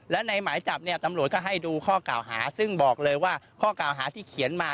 และในหมายจับเนี่ยตำรวจก็ให้ดูข้อกล่าวหาซึ่งบอกเลยว่าข้อกล่าวหาที่เขียนมา